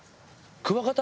クワガタ？